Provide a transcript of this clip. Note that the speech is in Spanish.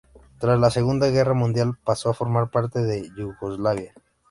Tras la Segunda Guerra Mundial pasó a formar parte de Yugoslavia.